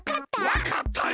わかったよ！